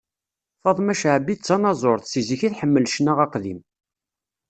Faṭma Caɛbi, d tanaẓurt, si zik-is tḥemmel ccna aqdim.